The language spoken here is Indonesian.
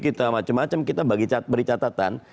kita macam macam kita beri catatan